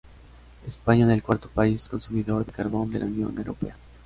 España es el cuarto país consumidor de carbón de la Unión Europea.